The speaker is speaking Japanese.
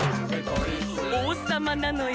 「おうさまなのよ！」